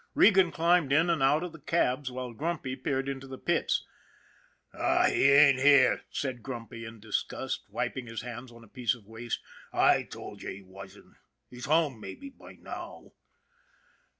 Regan climbed in and out of the cabs, while Grumpy peered into the pits. " Aw ! he ain't here," said Grumpy in disgust, wip ing his hands on a piece of waste. " I told you he wasn't. He's home, mabbe, by now."